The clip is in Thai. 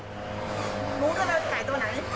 รู้ด้วยว่าไก่ตัวไหน